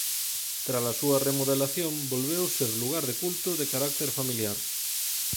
Trala súa remodelación volveu ser lugar de culto de carácter familiar.